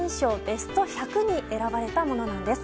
ベスト１００に選ばれたものなんです。